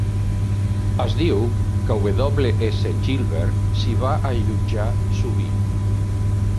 Es diu que W. S. Gilbert s'hi va allotjar sovint.